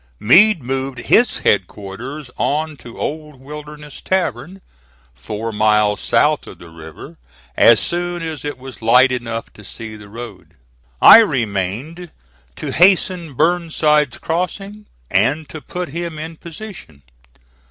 Meade moved his headquarters on to Old Wilderness Tavern, four miles south of the river, as soon as it was light enough to see the road. I remained to hasten Burnside's crossing and to put him in position.